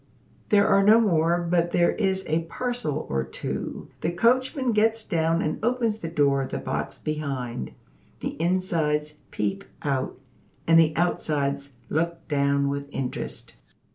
There are no more; but there is a parcel or two. The coachman gets down and opens the door of the box behind. The insides peep out, and the outsides look down with interest.